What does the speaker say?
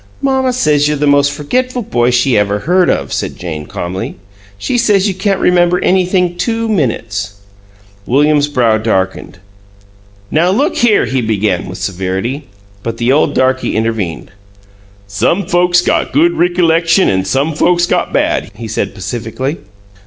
"Mamma says you're the most forgetful boy she ever heard of," said Jane, calmly. "She says you can't remember anything two minutes." William's brow darkened. "Now look here " he began, with severity. But the old darky intervened. "Some folks got good rickaleckshum an' some folks got bad," he said, pacifically.